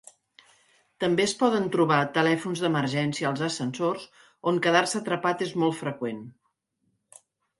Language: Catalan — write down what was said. També es poden trobar telèfons d'emergència als ascensors, on quedar-se atrapat és molt freqüent.